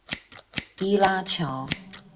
伊拉橋